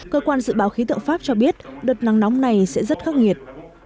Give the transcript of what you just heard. cơ quan dự báo khí tượng pháp cho biết đợt nắng nóng này sẽ rất khắc nghiệt